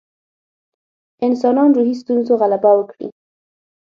انسانان روحي ستونزو غلبه وکړي.